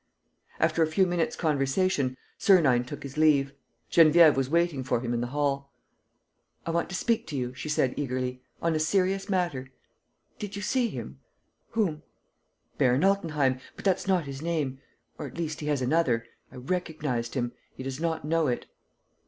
..." After a few minutes' conversation, Sernine took his leave. Geneviève was waiting for him in the hall: "I want to speak to you," she said eagerly, "on a serious matter. ... Did you see him?" "Whom?" "Baron Altenheim. ... But that's not his name ... or, at least, he has another. ... I recognized him ... he does not know it."